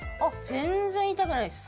全然痛くないです。